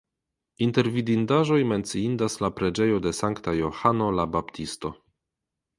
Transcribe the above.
Inter vidindaĵoj menciindas la preĝejo de Sankta Johano la Baptisto.